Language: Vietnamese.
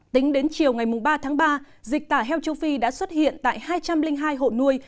tính đến chiều ngày ba tháng ba dịch tả heo châu phi đã xuất hiện tại hai trăm linh hai hộ nuôi